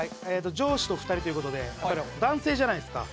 上司と２人ということで男性じゃないですか。